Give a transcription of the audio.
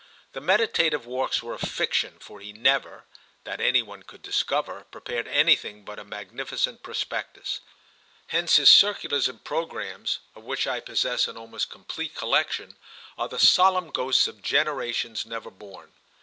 The meditative walks were a fiction, for he never, that any one could discover, prepared anything but a magnificent prospectus; hence his circulars and programmes, of which I possess an almost complete collection, are the solemn ghosts of generations never born.